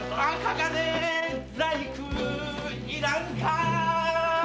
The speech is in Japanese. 銅細工いらんか！